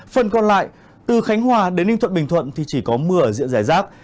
phần còn lại từ khánh hòa đến ninh thuận bình thuận thì chỉ có mưa ở diện giải rác